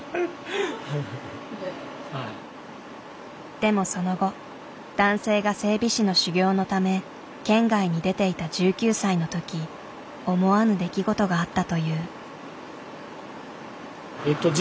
でもその後男性が整備士の修業のため県外に出ていた１９歳の時思わぬ出来事があったという。